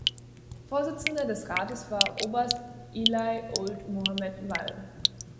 Vorsitzender des Rates war Oberst Ely Ould Mohamed Vall.